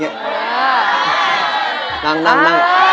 มีอะไรครับ